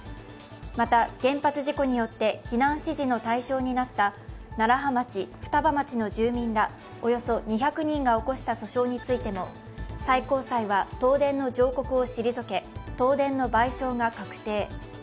また、原発事故によって避難指示の対象になった楢葉町、双葉町の住民らおよそ２００人が起こした訴訟についても最高裁は東電の上告を退け、東電の賠償が確定。